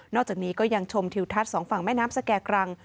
จากนี้ก็ยังชมทิวทัศน์สองฝั่งแม่น้ำสแก่กรัง